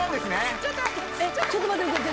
ちょっと待って待って。